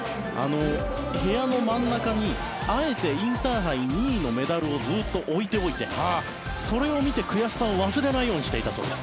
部屋の真ん中に、あえてインターハイ２位のメダルをずっと置いておいてそれを見て悔しさを忘れないようにしていたそうです。